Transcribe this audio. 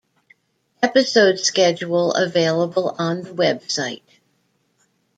Episode schedule available on the website.